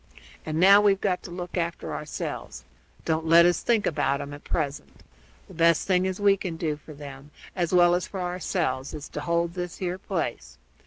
And now we've got to look after ourselves; don't let us think about 'em at present. The best thing as we can do for them, as well as for ourselves, is to hold this here place.